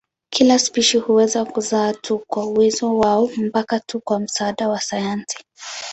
Kila spishi huweza kuzaa tu kwa uwezo wao mpaka tu kwa msaada wa sayansi.